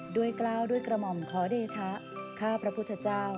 กล้าวด้วยกระหม่อมขอเดชะข้าพระพุทธเจ้า